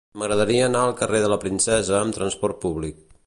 M'agradaria anar al carrer de la Princesa amb trasport públic.